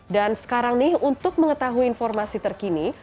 dan sekarang nih untuk mengetahui informasi terkini